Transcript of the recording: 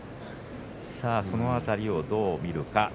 その辺りをどう見るか。